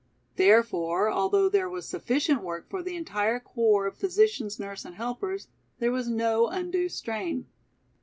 Therefore, although there was sufficient work for the entire corps of physicians, nurses and helpers, there was no undue strain.